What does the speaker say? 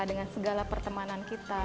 dengan segala pertemanan kita